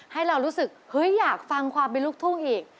ให้เรารู้สึกเฮ้ยอยากฟังความเป็นลูกทุ่งอีก